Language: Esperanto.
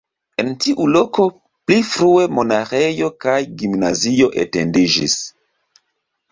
En tiu loko pli frue monaĥejo kaj gimnazio etendiĝis.